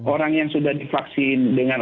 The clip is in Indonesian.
orang yang sudah divaksin dengan